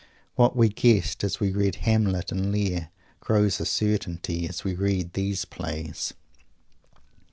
What we guessed as we read Hamlet and Lear grows a certainty as we read these plays.